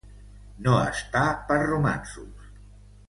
No estar per romanços.